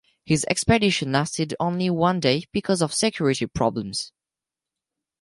His expedition lasted only one day because of security problems.